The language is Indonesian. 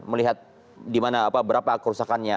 melihat di mana berapa kerusakannya